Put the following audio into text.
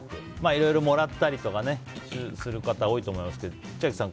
いろいろもらったりとかする方多いと思いますが千秋さん